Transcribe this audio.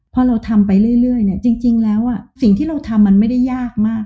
พอเราทำไปเรื่อยเนี่ยจริงแล้วสิ่งที่เราทำมันไม่ได้ยากมาก